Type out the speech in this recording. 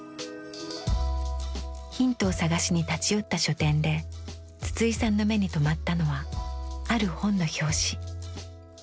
ヒントを探しに立ち寄った書店で筒井さんの目に留まったのはある本の表紙。